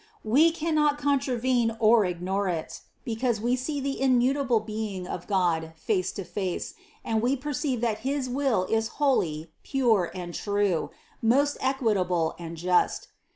We cannot contravene or ignore it, be cause we see the immutable being of God face to face and we perceive that his will is holy, pure and true, most equitable and just.